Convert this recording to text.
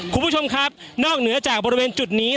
คุณผู้ชมครับนอกเหนือจากบริเวณจุดนี้